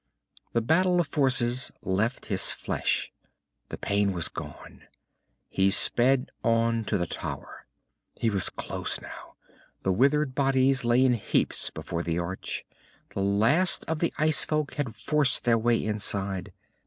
The battle of forces left his flesh. The pain was gone. He sped on to the tower. He was close now. The withered bodies lay in heaps before the arch. The last of the ice folk had forced their way inside.